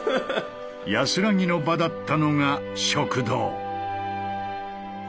安らぎの場だったのが食堂。